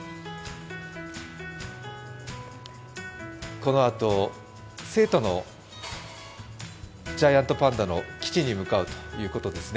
このあと成都のジャイアントパンダの基地に向かうということですね。